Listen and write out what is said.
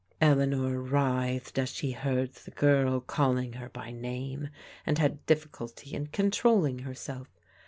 Eleanor writhed as she heard the girl calling her by name, and had difficulty in controlling herself.